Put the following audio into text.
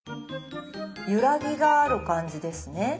ゆらぎがある感じですね。